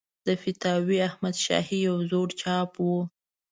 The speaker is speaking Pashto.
د فتاوی احمدشاهي یو زوړ چاپ و.